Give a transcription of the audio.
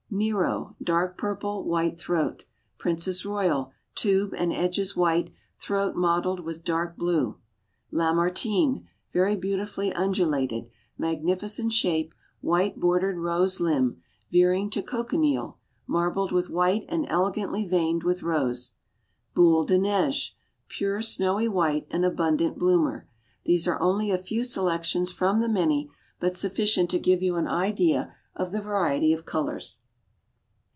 Nero, dark purple, white throat. Princess Royal, tube and edges white, throat mottled with dark blue. Lamartine, very beautifully undulated, magnificent shape; white bordered rose limb, veering to cochineal, marbled with white and elegantly veined with rose. Boule de Neige, pure snowy white, an abundant bloomer. These are only a few selections from the many, but sufficient to give you an idea of the variety of colors.